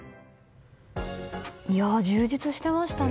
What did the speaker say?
充実してましたね。